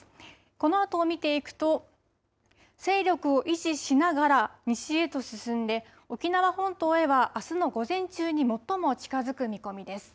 このあとを見ていくと、勢力を維持しながら西へと進んで、沖縄本島へは、あすの午前中に最も近づく見込みです。